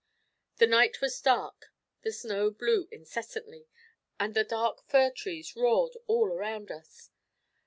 The night was dark, the snow blew incessantly, and the dark fir trees roared all around us.